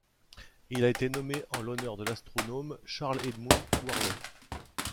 Il a été nommé en l'honneur de l'astronome Charles Edmund Worley.